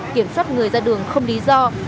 kiểm soát người ra đường không lý do